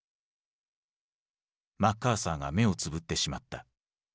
マッカーサーが目をつぶってしまった。